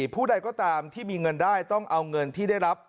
ผู้ใดก็ตามที่มีเงินได้ต้องเอาเงินที่ได้รับ